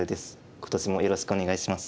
今年もよろしくお願いします。